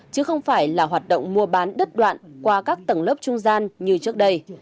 chứ không phải là hoạt động mua bán đứt đoạn qua các tầng lớp trung gian như trước đây